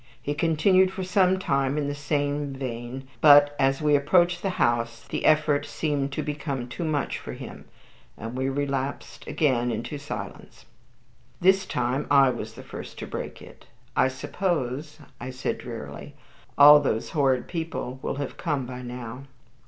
He continued for some time in the same vein; but as we approached the house the effort seemed to become too much for him, and we relapsed again into silence. This time I was the first to break it. "I suppose," I said, drearily, "all those horrid people will have come by now."